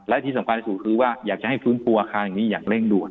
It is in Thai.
และที่สำคัญที่สุดคือว่าอยากจะให้ฟื้นฟูอาคารอย่างนี้อย่างเร่งด่วน